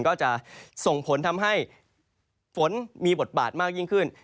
ก็จะส่งผลทำให้ฝนมีบทบาทมากยิ่งขึ้น